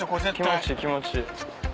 気持ちいい気持ちいい。